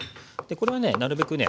これはねなるべくね